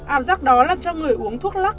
ảo giác đó làm cho người uống thuốc lóc